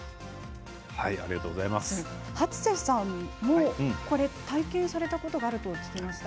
初瀬さんも体験されたことがあると聞きました。